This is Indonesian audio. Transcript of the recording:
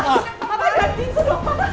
apa apa dia gitu dong pak